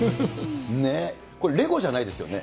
ね、これレゴじゃないですよね。